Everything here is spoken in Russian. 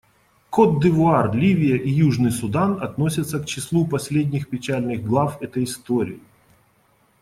Котд'Ивуар, Ливия и Южный Судан относятся к числу последних печальных глав этой истории.